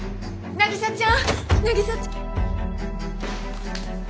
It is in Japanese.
凪沙ちゃん